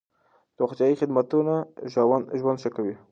روغتيايي خدمتونه ژوند ښه کوي.